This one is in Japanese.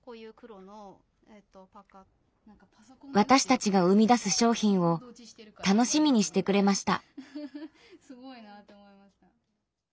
私たちが生み出す商品を楽しみにしてくれました。